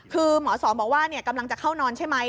คือหมอสองบอกว่ากำลังจะเข้านอนใช่ไหม